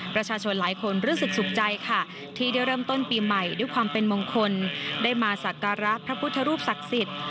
ประชาชนหลายคนรู้สึกสุขใจค่ะที่ได้เริ่มต้นปีใหม่ด้วยความเป็นมงคลได้มาสักการะพระพุทธรูปศักดิ์สิทธิ์